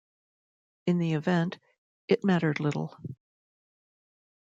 In the event, it mattered little.